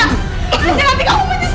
dia mau bunuh aku